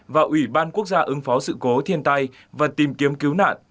và ủy ban quốc gia ứng phó sự cố thiên tai và tìm kiếm cứu nạn